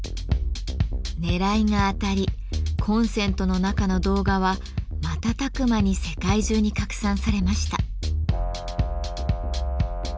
ねらいが当たりコンセントの中の動画は瞬く間に世界中に拡散されました。